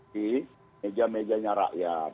di meja mejanya rakyat